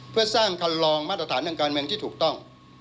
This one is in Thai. เพื่อสร้างคันลองมาตรฐานทางการเมืองที่ถูกต้อง